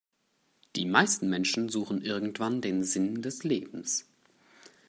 Die meisten Menschen suchen irgendwann den Sinn des Lebens.